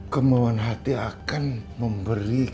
kemauan hati akan memberikan kekuatan